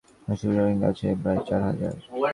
আশ্রয়শিবিরে Rohingya আছে প্রায় চার হাজার।